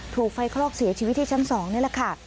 ถูกไฟคลอกเสียชีวิตที่ชั้น๒นี่แหละค่ะ